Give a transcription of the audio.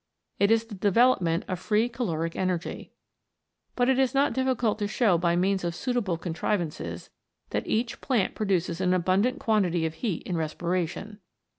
It is the development of free caloric energy. But it is not difficult to show by means of suitable contrivances that each plant produces an abundant quantity of heat in respiration.